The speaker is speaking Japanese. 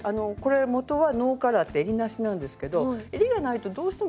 もとはノーカラーってえりなしなんですけどえりがないとどうしてもちょっと。